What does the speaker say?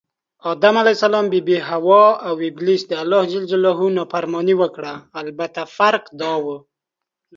آدم ع، بي بي حوا اوابلیس دالله ج نافرماني وکړه البته فرق دا و